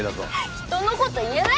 人のこと言えないだろ。